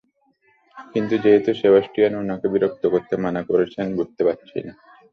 কিন্তু যেহেতু সেবাস্টিয়ান ওনাকে বিরক্ত করতে মানা করেছেন, বুঝতে পারছি না।